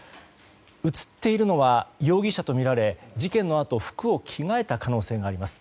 映っているのは容疑者とみられ事件のあと服を着替えた可能性があります。